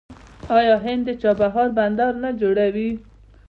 آیا هند د چابهار بندر نه جوړوي؟